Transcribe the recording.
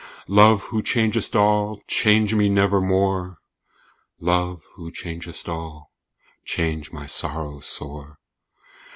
Love, who changest all, change me nevermore! "Love, who changest all, change my sorrow sore!"